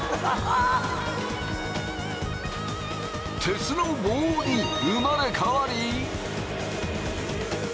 鉄の棒に生まれ変わり。